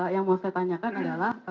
yang mau saya tanyakan adalah